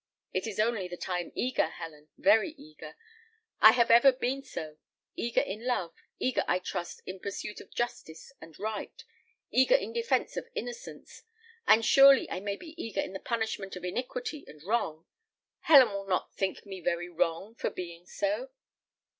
It is only that I am eager, Helen, very eager; I have ever been so: eager in love; eager, I trust, in pursuit of justice and right; eager in defence of innocence; and surely I may be eager in the punishment of iniquity and wrong? Helen will not think me very wrong for being so?"